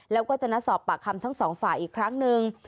แล้วก็จะนัดสอบปากคำทั้งสองฝ่ายอีกครั้งหนึ่ง